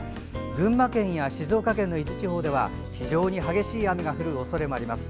群馬県や静岡県の伊豆地方では非常に激しい雨が降る恐れもあります。